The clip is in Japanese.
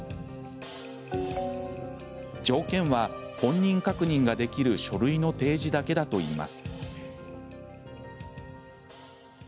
条件は本人確認ができる書類の提示だけだといいます。